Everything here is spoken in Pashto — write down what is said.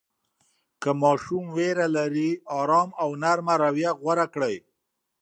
که ماشوم ویره لري، آرام او نرمه رویه غوره کړئ.